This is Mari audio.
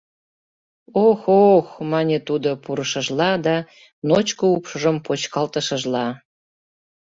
— Ох-ох! — мане тудо пурышыжла да ночко упшыжым почкалтышыжла.